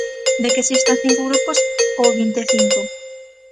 De que existan cinco grupos ou vinte e cinco.